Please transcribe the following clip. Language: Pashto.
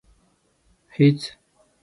هېڅ.